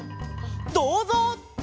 「どうぞう！」